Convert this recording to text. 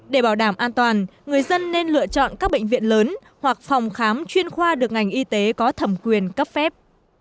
để bảo đảm an toàn người dân nên lựa chọn các bệnh viện lớn hoặc phòng khám chuyên khoa được ngành y tế có thẩm quyền cấp phép